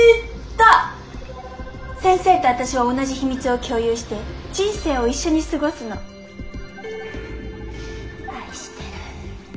先生とあたしは同じ秘密を共有して人生を一緒に過ごすのッ！